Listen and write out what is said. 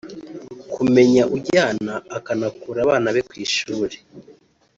Kumenya ujyana akanakura abana be ku ishuli